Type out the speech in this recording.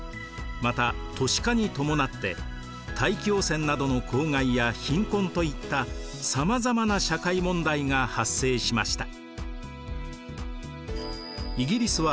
また都市化に伴って大気汚染などの公害や貧困といったさまざまな社会問題が発生しました。